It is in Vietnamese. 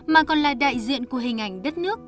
mà còn là đại diện của hình ảnh đất nước